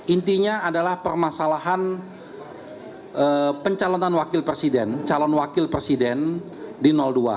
intinya adalah permasalahan pencalonan wakil presiden calon wakil presiden di dua